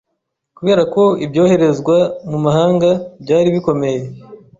Kubera ko ibyoherezwa mu mahanga byari bikomeye.